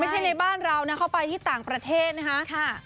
ในบ้านเรานะเข้าไปที่ต่างประเทศนะคะ